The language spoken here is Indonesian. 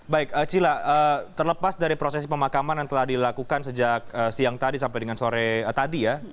baik cila terlepas dari proses pemakaman yang telah dilakukan sejak siang tadi sampai dengan sore tadi ya